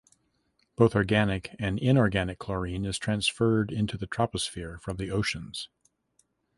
Both organic and inorganic chlorine is transferred into the troposphere from the oceans.